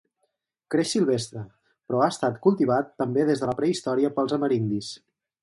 Creix silvestre, però ha estat cultivat també des de la prehistòria pels amerindis.